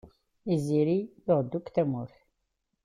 Tiziri, tuɣ-d akk tamurt.